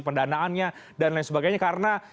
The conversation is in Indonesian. pendanaannya dan lain sebagainya karena